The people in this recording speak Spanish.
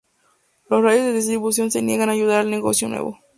Las redes de distribución se niegan a ayudar al negocio nuevo.